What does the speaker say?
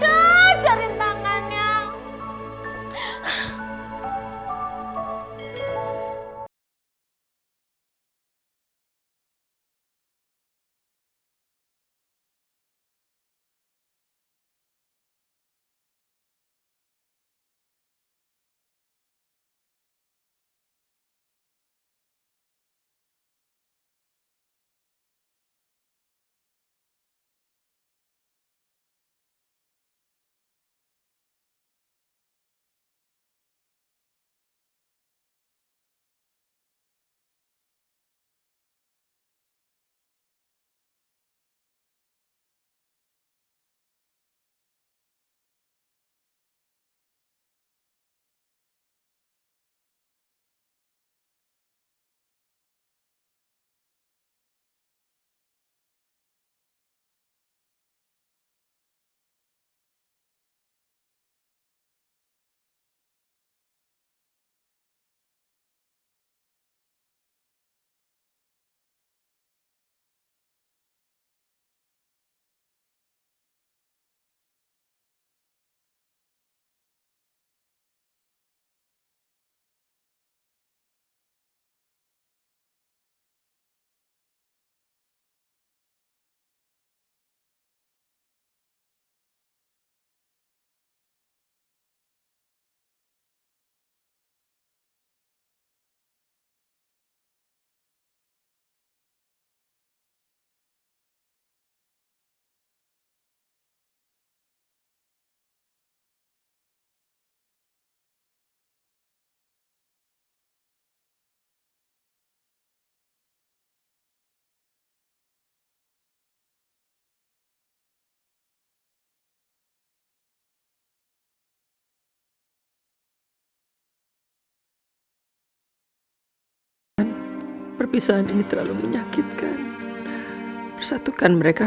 ada jaring tangannya